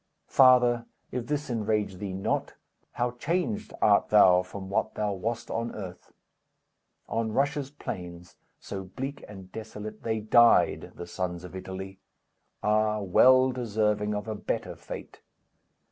Father, if this enrage thee not, How changed art thou from what thou wast on earth! On Russia's plains, so bleak and desolate, They died, the sons of Italy; Ah, well deserving of a better fate!